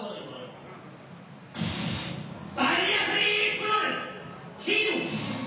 「バリアフリープロレスＨＥＲＯ！」。